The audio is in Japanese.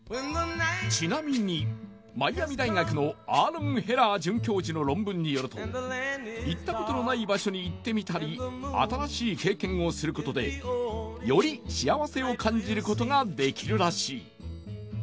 ちなみにマイアミ大学のアーロン・ヘラー准教授の論文によると行ったことのない場所に行ってみたり新しい経験をすることでより幸せを感じることができるらしい。